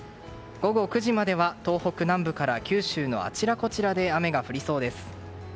午後９時までは、東北南部から九州のあちらこちらで雨が降りそうです。